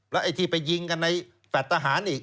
แล้วไอ้ทีไปยิงกันในแฝดทหารอีก